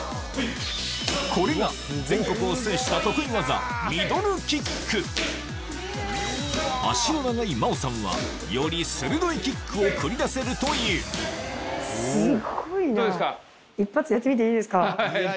これが全国を制した脚の長い真桜さんはより鋭いキックを繰り出せるというどうですか？